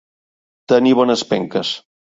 Tenir bones penques.